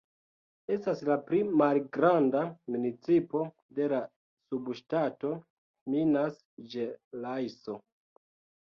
Estas la pli malgranda municipo de la subŝtato Minas-Ĝerajso.